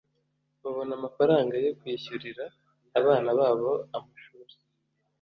babona amafaranga yo kwishyurira abana babo amashuri